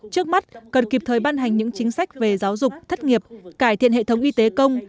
trước mắt cần kịp thời ban hành những chính sách về giáo dục thất nghiệp cải thiện hệ thống y tế công